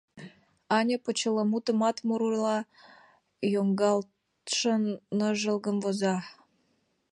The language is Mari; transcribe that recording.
Аня почеламутымат мурыла йоҥгалтшын, ныжылгым воза.